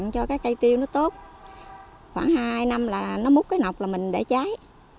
cho cái cây tiêu nó tốt khoảng hai năm là nó mút cái nọc là mình để trái